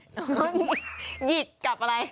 หัวหงิดกับอะไร